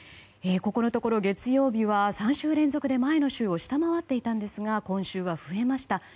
ここのところ月曜日は３週連続で前の週を下回っていたんですが今週は増えました。